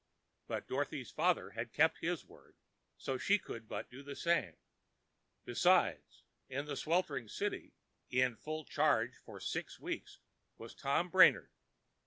But Dorothy's father had kept his word, so she could but do the same. Behind, in the sweltering city, in full charge for six weeks was Tom Brainard.